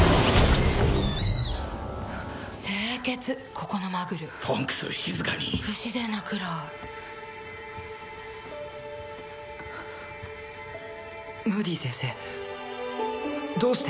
ここのマグルトンクス静かに不自然なくらいムーディ先生どうして？